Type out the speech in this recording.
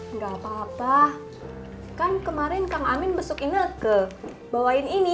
enggak papa kan kemarin kang amin besok inek ke bawain ini